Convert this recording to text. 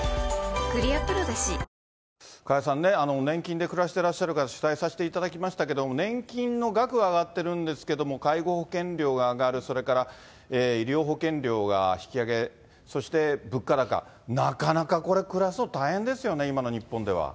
加谷さんね、年金で暮らしていらっしゃる方、取材させていただきましたけれども、年金の額は上がってるんですけども、介護保険料が上がる、それから医療保険料が引き上げ、そして物価高、なかなかこれ、暮らすの大変ですよね、今の日本では。